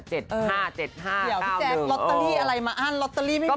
เดี๋ยวพี่แจ๊คลอตเตอรี่อะไรมาอั้นลอตเตอรี่ไม่มี